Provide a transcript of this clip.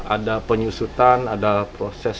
ada penyusutan ada proses